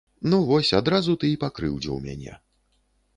Ну вось, адразу ты і пакрыўдзіў мяне.